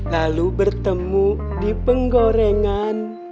lalu bertemu di penggorengan